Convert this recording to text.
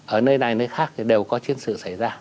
ở nơi này nơi khác thì đều có chiến sự xảy ra